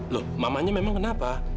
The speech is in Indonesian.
loh mamanya memang kenapa